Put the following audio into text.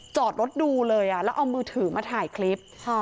จอดรถดูเลยแล้วเอามือถือมาถ่ายคลิป